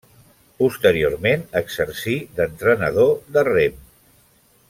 Posteriorment exercí d'entrenador de rem.